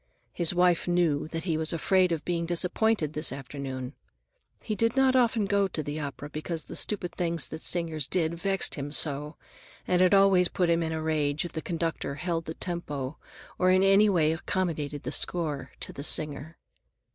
His wife knew that he was afraid of being disappointed this afternoon. He did not often go to the opera because the stupid things that singers did vexed him so, and it always put him in a rage if the conductor held the tempo or in any way accommodated the score to the singer.